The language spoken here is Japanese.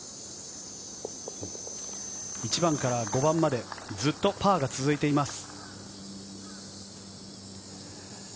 １番から５番までずっとパーが続いています。